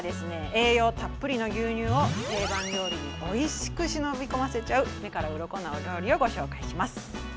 栄養たっぷりの牛乳を定番料理においしく忍び込ませちゃう目からウロコなお料理をご紹介します。